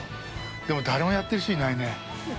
でも、誰もやってる人、いないね。